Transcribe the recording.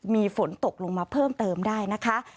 มีฝนตกลงมาเพิ่มเติมได้นะคะ